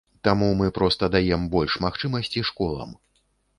Таму мы проста даем больш магчымасці школам.